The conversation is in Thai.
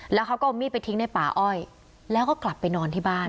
แล้วเขาก็เอามีดไปทิ้งในป่าอ้อยแล้วก็กลับไปนอนที่บ้าน